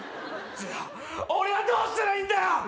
じゃあ俺はどうしたらいいんだよ